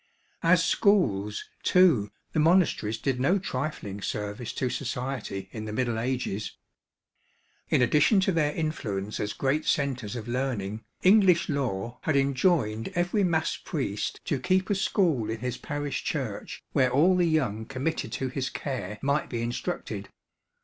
As schools, too, the monasteries did no trifling service to society in the Middle Ages. In addition to their influence as great centres of learning, English law had enjoined every mass priest to keep a school in his parish church where all the young committed to his care might be instructed.